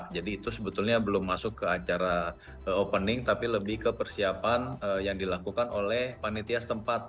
jadi itu sebetulnya belum masuk ke acara opening tapi lebih ke persiapan yang dilakukan oleh panitias tempat